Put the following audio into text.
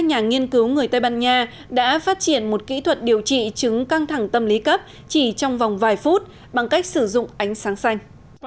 họ đã phát triển một kỹ thuật điều trị chứng căng thẳng tâm lý cấp chỉ trong vòng vài phút bằng cách sử dụng ánh sáng xanh